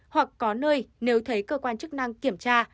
hoặc có nơi nếu thấy cơ quan chức năng kiểm tra